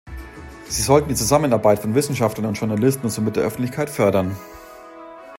Sie sollen die Zusammenarbeit von Wissenschaftlern und Journalisten und somit der Öffentlichkeit fördern.